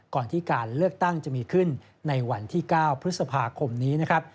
ก่อนที่การเลือกตั้งจะมีขึ้นในวันที่๙พฤษภาคมนี้นะครับ